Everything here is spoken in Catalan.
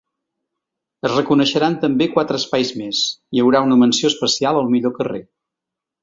Es reconeixeran també quatre espais més, hi haurà una menció especial al millor carrer.